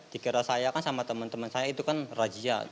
dikira saya kan sama teman teman saya itu kan rajia